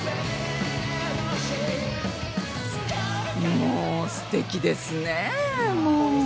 もうステキですね、もう。